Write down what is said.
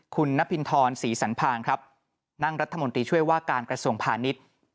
คุณนพินทรศรีสันพางครับนั่งรัฐมนตรีช่วยว่าการกระทรวงพาณิชย์